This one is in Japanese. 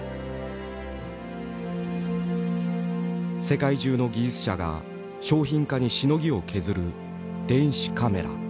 世界中の技術者が商品化にしのぎを削る電子カメラ。